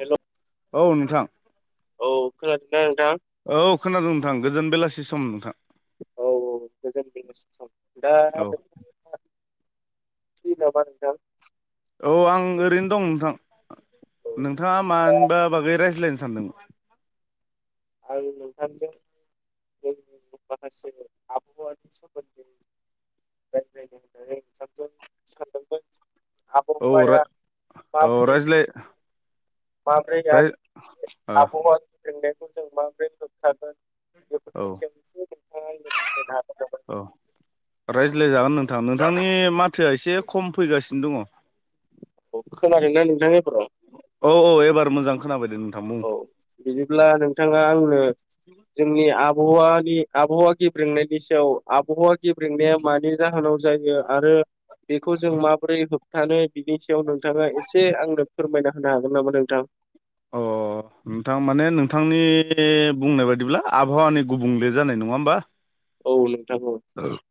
हेल' औ नोंथां औ खोनादोंना नोंथां औ खोनादों नोंथां गोजोन बेलासि सम नोंथां। औ औ गोजोन बेलासि सम औ [unintelligible] फ्रि नामा नोंथां औ आं ओरैनो दं नोंथां। औ नोंथांङा मानिबा बागै रायज्लायनो सानदों? आं नोंथांजों [unintelligible] [unintelligible] औ औ [unintelligible] रायज्लाय माब्रै आरो आबहावा [unintelligible] सोंदों जों माब्रै होबथागोन औ [unintelligible] नामा? औ रायज्लाय जागोन नोंथां नोंथांनि माथोया एसे खम फैगासिनो दंङ औ खोनादोंना नोंथां एबाराव औ औ एबार मोजां खोनाबायदे नों औ बिदिब्ला नोंथांङा आंनो जोंनि आ होवानि आबहावा गेब्रेंनायनि सायाव आबहावा गेब्रेंनाया मानि जाहोनाव जायो आरो बेखौ जों माबोरै होब थानो बिनि सायाव नोंथांङा एसे आंनो फोरमायना होनो हागोन नामा नोंथां? अह नोंथां माने नोंथांनि बुंनाय बादिब्ला आबहावानि गुबुंले जानाय नङा होमबा। औ नोंथां औ [unintelligible]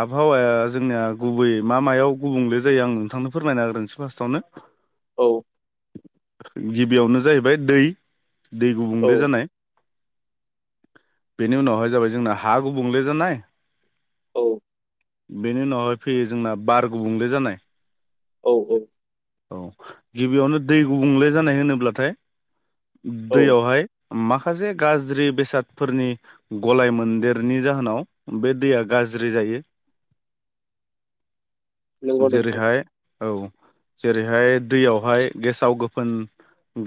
आबहावाया जोंनिया गुबै मा मायाव गुबुंले जायो आं नोंथांनो फोरमायना होग्रोसै फार्स्टआवनो औ गिबियावनो जाहैबाय दै दै औ गुबुंले जानाय बेनि उनावहाय जाबाय जोंना हा गुबुंले जानाय औ बेनि उनावहाय फैयो जोंना बार गुबुंले जानाय औ औ औ गिबियावनो दै गुबुंले जानाय होनोब्लाथाय औ दैयावहाय माखासे गाज्रि बेसादफोरनि गलाय मोनदेरनि जाहोनाव बे दैया गा ज्रि जायो। नोंगौ नोंथां। जेरैहाय औ जेरैहाय दैयावहाय गेसाव गोफोन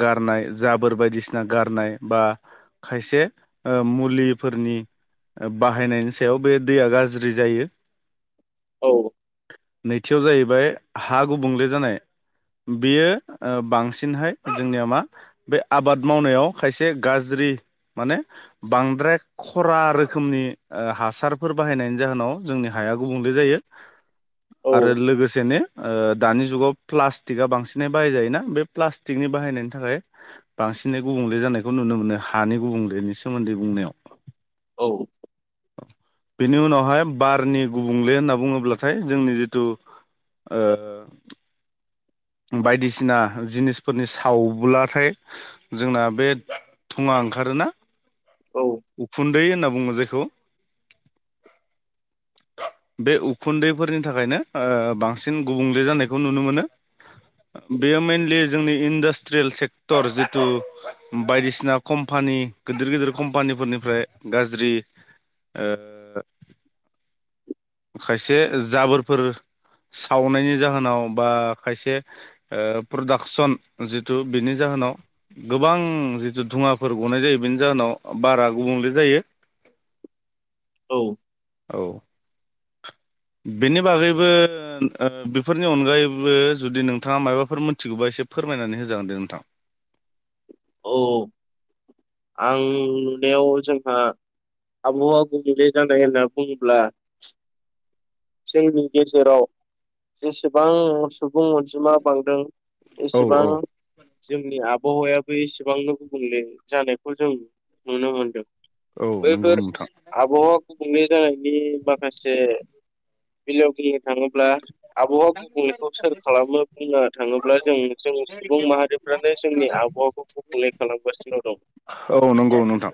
गारनाय जाबोर बायदिसिना गारनाय बा खायसे ओ मुलिफोरनि बाहायनायनि सायाव बे दैया गाज्रि जायो। औ नैथियाव जाहैबाय हा गुबुंले जानाय। बेयो बांसिनहाय जोंनिया मा बे आबाद मावनायाव खायसे गाज्रि माने बांद्राय खरा रो खोमनि हासारफोर बाहायनायनि जाहोनाव जोंनि हाया गुबुंले जायो। आरो औ लोगोसेनो दानि जुगाव प्लास्टिकआ बांसिनै बाहायजायोना बे प्लास्टिकनि बाहायनायनि थाखाय बां सिनै गुबुंले जानायखौ नुनो मोनो हानि गुबुंलेनि सोमोन्दै बुंनायाव। औ बेनि उनावहाय बारनि गुबुंले होनना बुङोब्लाथाय जोंनि जिथु ओ बायदिसिना जिनिसफोरनि सावब्लाथाय जोंना बे दुङा ओंखारोना औ उखुन्दै होनना बुङो जायखौ [inaudible] बे उखुन्दैफोरनि थाखायनो ओ बांसिन गुबुंले जानायखौ नुनो मोनो। [inaudible] बेयो मेनलि जोंनि इन्डास्ट्रियेल सेक्टर जितु बायदिसिना कम्पानि गिदिर गिदिर कम्पानिफोरनिफ्राय गाज्रि ओ [inaudible] खायसे जाबोरफोर सावनायनि जाहोनाव बा खायसे प्रदाक्सन जिथु बेनि जाहोनाव गोबां जिथु धुवाफोर गनाय जायो बेनि जाहोनाव बारा गुबुंले जायो। औ औ [inaudible] बेनि बागैबो बेफोरनि अनगायैबो जुदि नोंथाङा माबाफोर मोनथिगौबा एसे फोरमायनानै होजागोन दे नोंथां। औ आं नुनायाव जोंहा आबहावा गुबुंले जानाय होनना बुङोब्ला जोंनि गेजेराव जेसेबां सुबुं अनजिमा बांदों औ एसेबां औ जोंनि आब बहावायाबो एसेबांनो गुबुंले जानायखौ जों नुनो मोनदों। औ नंगौ बैफोर नोंथां आबहावा गुबुंले जानायनि माखासे बिजाबनि थाङोब्ला आबहावा गुबुंलेखौ सोर खालामनो बुंनो थाङोब्ला जों जों सुबुं माहारि फ्रानो जोंनि आबहावाखौ गुबखुंले खालामगासिनो दं। औ नंगौ नोंथां।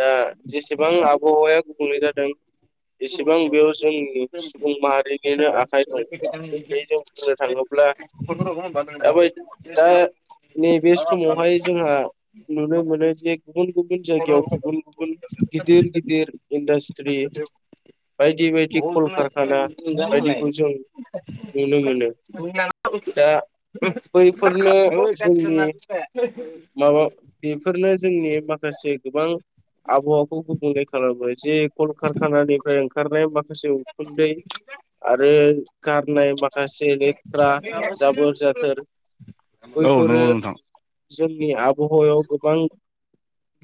दा जेसेबां आबहावाया बुंनाय जादों एसेबां बेयाव जोंनि सुबुं माहारि नि आखाइ दं थ जों बुंनो थाङोब्ला दा नैबे समावहाय जोंहा नुनो मोनो जे गुबुन गुबुन जायगायाव गुबुन गुबुन गिदिर गिदिर इन्डास्ट्रि बायदि बाय [unintelligible] नुनो मोनो दा [inaudible] बैफोरनो जोंनि माबा बे जोंनि माखासे गोबां आबहावाखौ गुबुंले खालामो जे कलकारखानानिफ्राय ओंखारनाय माखासे उखुन्दै आरो गारनाय माखासे नेटफ्रा जाबोर जाथोर औ बैफोरो नंगौ नोंथां। जोंनि आबहायाव गोबां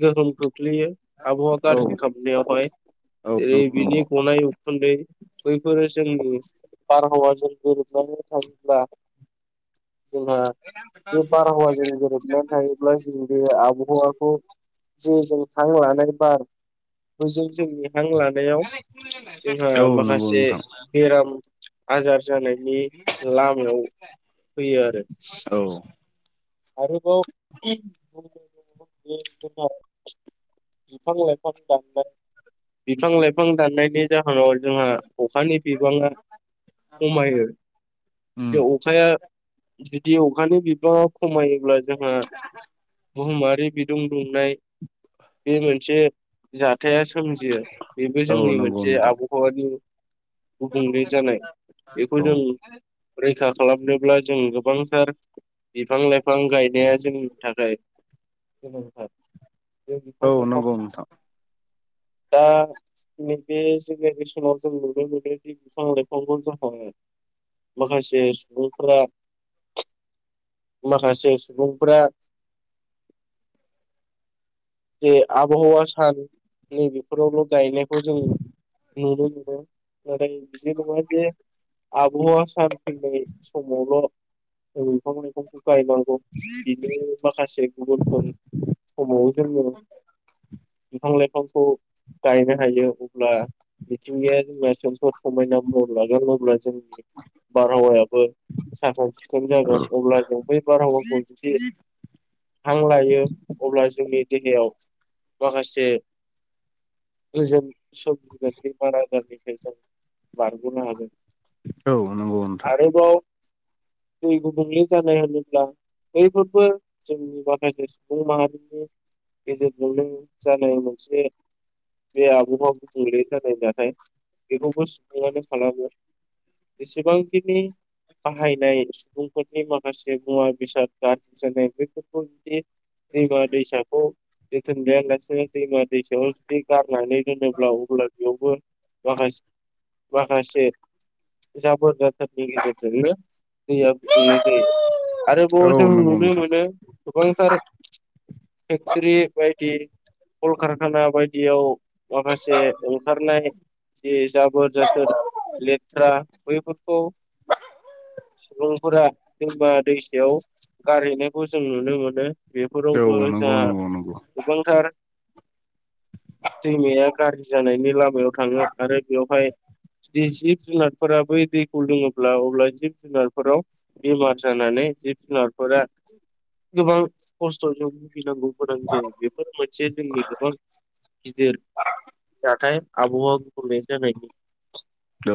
गोहोम खोख्लैयो आबहावा औ गाज्रि खालामनायावहाय औ जेरै नंगौ नंगौ बिनि गनाय उखुन्दै बैफोरो जोंनि बारहावाजों गोरोबनानै थाङोब्ला जोंहा बे बारहावाजों गोरोबनानै थायोब्ला जों बे आबहावाखौ जे जों हां लानाय बार बोजे जोंनि हां लानायाव जोंहा औ नंगौ माखासे नोंथां बेराम आजार जानायनि लामायाव फैयो आरो औ आरोबाव [unintelligible] बिफां लाइफां दाननाय बिफां लाइफां दाननायनि जाहोनाव जोंहा अखानि बिबाङा खमायो। जे उम अखाया बे अखानि बिबाङा खमायोब्ला जोंहा बुहुमा से दै बिदुं दुंनाय बे मोनसे जा जाथाया सोमजियो बेबो औ जोंनि नंगौ मोनसे नोंथां आबहावानि गुबुंले जानाय बेखौ जों औ ब्रै रैखा खालामनोब्ला जों गोबांथार बिफां लाइफां गायनाया जोंनि थाखाय गोनांथार। बे बिफां औ लाइफां नंगौ नोंथां। दा नैबे जेनेरेसनाव जों नुनो मोनोदि बिफां लाइफांखौ [unintelligible] माखासे सुबुंफोरा माखासे सुबुंफोरा जे आबहावा सान नैबेफोरावल' गायनायखौ जों नुनो मोनो आरो बिदि नङा जे आबावा सान फैनाय समावल' बिफां लाइफां फो गायनांगौ बिनो माखासे गुगोलफोर समाव जोङो बिफां लाइफांखौ गायनो हायो अब्ला मिथिंगाया जोंना सोबोद समायना महर लागोन अब्ला जों बारहावायाबो साखोन सिखोन जागोन अब्ला जों बै बारहावाखौ जुदि हां लायो अब्ला जोंनि देहायाव माखासे गोजोन सबजि बेमार आजारनिफ्राय जों बारग'नो हागोन औ नंगौ नोंथां [inaudible] दै गुबुंले जानाय होनोब्ला बैफोरबो जोंनि माखासे सुबुं माहारिनि गेजेरजोंनो जानाय मोनसे बे आबुंआव गुबुंले जानाय जाथाय बेखौबो सुबुङानो खालामो जेसेबांखिनि बाहायनाय सुबुंफोरनि माखासे मुवा बेसाद गाज्रि जानाय बेफोरखौ जुदि दैमा दैसा खौ लेथा लायालासिनो दैमा दैसाखौ नानै दोनोब्ला अब्ला बेयावबो माखासे माखासे जाबोर गेजेरजों दैया गुबुंले जायो औ आरोबाव जों नंगौ नुनो नोंथां मोनो गोबांथार त्रि बायदि कलकारखाना बायदियाव माखासे ओंखारनाय जाबोर जाथोर लेथ्रा बेफोर सुबुंफोरा जेनबा दैसायाव गारहैनो खौ जों नुनो मोनो बेफोरावबो औ जा नंगौ नंगौ नंगौ गोबांथार दैमाया गाज्रि जानायनि लामायाव थाङो आरो बेवहाय जुदि जिब जुनारफोरा बै दैखौ लोङोब्ला अब्ला जिब जुनारफोराव बेमार जानानै जिब जुनारफोरा गोबां खस्थजों गिनांगौ फोरोनांजो बेफोर मोनसे जोंनि गोबां गिदिर जाथाय आबहावा गुबुंले जानायनि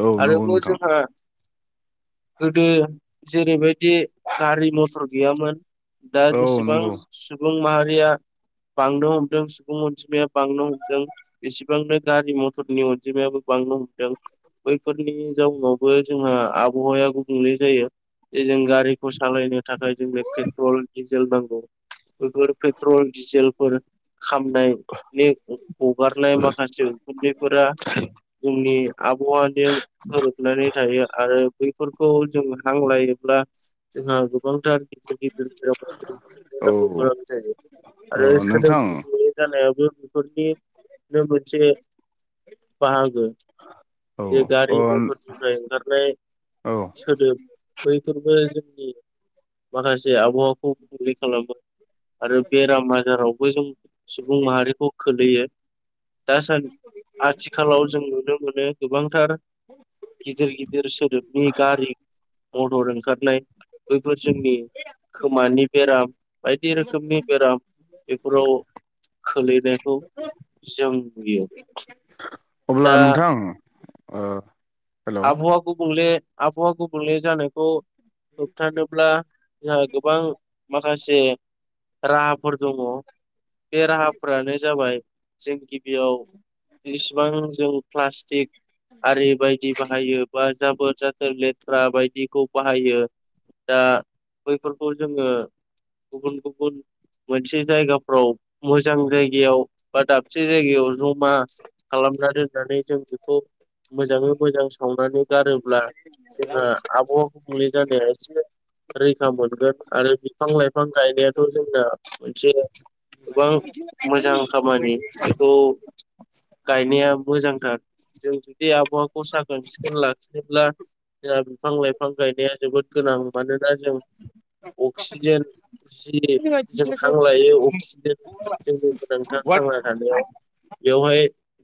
औ नंगौ आरोबाव नोंथां जोंहा गोदो जेरैबायदि गारि मथर गैयामोन दा औ जेसेबां नंगौ सुबुं माहारिया बांनो हमदों सुबुं अनजिमाया बांनो हमदों एसेबांनो गारि मथरनि अनजिमायाबो बांनो हमदों बैफोरनि जाउनावबो जोंहा आबहावाया गुबुंले जायो जे जों गारिखौ सालायनो थाखाय जोंनो पेट्रल डिजेल नांगौ बेफोर पेट्रल डिजेल फोर खामनायनि हगारनाय माखासे उखुन्दैफोरा जोंनि आबहावाजों गोरोबनानै थायो आरो बैफोरखौ जों हांलायोब्ला जोंहा गोबांथार गिदिर गिदिरफोर औ औ बेराम जायो अ आरो सोदोब नोंथां गुबुंले जानायावबो बेफोरनिनो मोनसे बाहागो औ बे अ गारि मथरनिफ्राय ओंखारनाय औ सोदोब बैफोरबो जोंनि माखासे आबहावाखौ गुबुंले खालामो आरो बेराम आजारावबो जों सुबुं माहारिखौ खोलैयो दासान्दि आथिखालाव जों नुनो मोनो गोबांथार गिदिर गिदिर सोदोबनि गारि मटर ओंखारनाय बैफोर जोंनि खोमानि बेराम बायदि रोखोमनि बेराम बेफोराव खोलैनायखौ जों नुयो। अब्ला दा नोंथां ओ हेल' आबहावा गुबुंले आबहावा गुबुंले जानायखौ होबथानोल्बा जोंहा गोबां माखासे राहाफोर दङ बे राहाफ्रानो जाबाय जों गिबियाव इसिबां जों प्लास्टिक आरि बायदि बाहायो बा जाबोर जाथोर लेथ्रा बायदिखौ बाहायो दा बैफोरखौ जोङो गुबुन गुबुन मोनसे जायगाफ्राव मोजां जायगायाव बा दाबसे जायगायाव जमा खालामना दोननानै जों बेखौ मोजाङै मोजां सावनानै गारोब्ला जोंहा आबहावा गुबुंले जानो एसे रैखा मोनगोन आरो बिफां लाइफां गायनायाथ' जोंना मोनसे गोबां मोजां खामानि बेखौ गायनाया मोजांथार जों जुदि आबहावाखौ साखोन सिखोन लाखिनोब्ला जोंहा बिफां लाइफां गायनाया जोबोद गोनां मानोना जों अक्सिजेन जि जों हां लायो अ अक्सिजेन जोंनो गोनांथार थांना थानायाव बेवहाय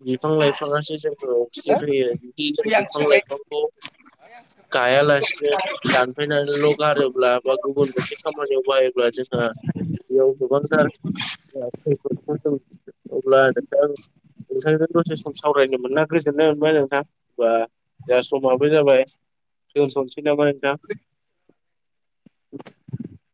बिफां लाइफाङासो जोंनो अक्सिजेन होयो। जों बिफां लाइफांखौ गायालासिनो दानफायनानैल' गारोब्ला बा गुबुन मोनसे खामानियाव बायोब्ला जोंहा बेयाव गोबांथार खैफोदफोर दं। अब्ला नोंथां नोंथांजों दसे सम सावरायनो मोनना गोजोननाय मोनबाय नोंथां। बा दा समाबो जाबाय दोनथ'सै नामा नोंथां? [inaudible]